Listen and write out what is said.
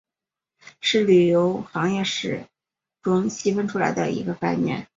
是旅游行业中细分出来的一个概念。